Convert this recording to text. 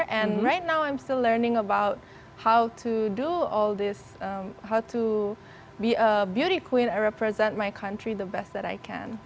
dan sekarang saya masih belajar tentang cara untuk menjadi putri kecantikan dan mewakili negara saya dengan sebaik yang bisa